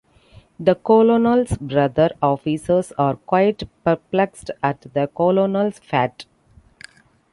The Colonel's brother officers are quite perplexed at the Colonel's fate.